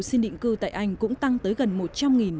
xin định cư tại anh cũng tăng tới gần một trăm linh